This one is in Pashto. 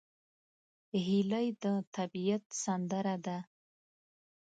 هیلۍ د طبیعت سندره ده